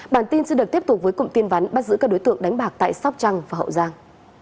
bản tin sẽ được tiếp tục với cụm tin vắn bắt giữ các đối tượng đánh bạc tại sóc trăng và hậu giang